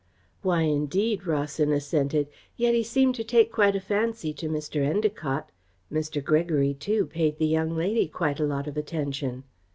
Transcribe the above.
"Why, indeed?" Rawson assented. "Yet he seemed to take quite a fancy to Mr. Endacott. Mr. Gregory, too, paid the young lady quite a lot of attention."